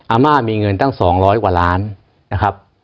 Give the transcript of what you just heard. อาม่ามีเงินตั้ง๒๐๐กว่าล้านนะครับ